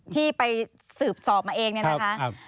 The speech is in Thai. ที่ไปสืบสอบมาเองเนี่ยนะคะ